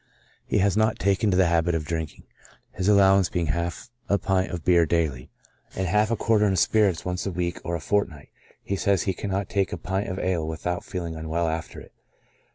He has not taken to the habit of drinking, his allowance being half a pint of beer daily, and half a quartern of spirits once a week or a fortnight ; he says he cannot take a pint of ale without feeling unwell after it.